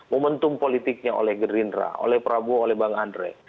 momentum politiknya oleh gerindra oleh prabowo oleh bang andre